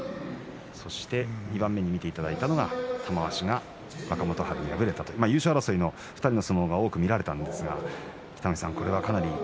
そして２番目に見ていただいたのが玉鷲が若元春に敗れた優勝争いの２人の相撲が多く見られたんですが北の富士さん、これはかなり。